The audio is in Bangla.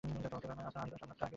আপনারটা সামলান আগে।